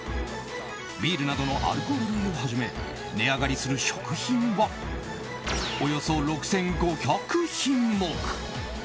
ビールなどのアルコール類をはじめ値上がりする食品はおよそ６５００品目。